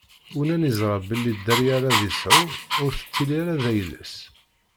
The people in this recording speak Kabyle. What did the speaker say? Unan iẓra belli dderya ara d-isɛu ur tettili ara d ayla-s.